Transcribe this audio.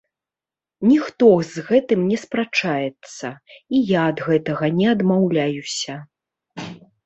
Ніхто з гэтым не спрачаецца, і я ад гэтага не адмаўляюся.